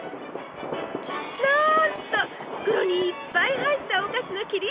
なんと袋にいっぱい入ったお菓子の切り落とし！